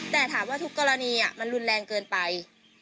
แต่ถามว่าทุกกรณีมันรุนแรงเกินไป